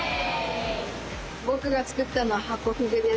僕が作ったのはハコフグです。